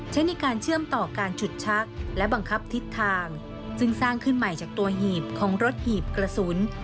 ใช้ในการเชื่อมต่อการฉุดชักและบังคับทิศทางซึ่งสร้างขึ้นใหม่จากตัวหีบของรถหีบกระสุน